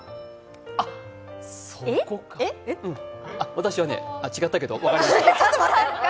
私は違ったけど分かりました。